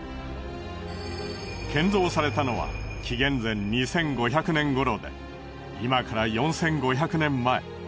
建造されたのは紀元前２５００年頃で今から４５００年前。